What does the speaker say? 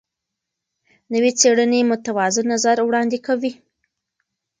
نوې څېړنې متوازن نظر وړاندې کوي.